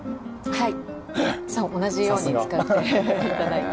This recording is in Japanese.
はい。